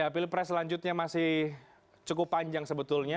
pilpres selanjutnya masih cukup panjang sebetulnya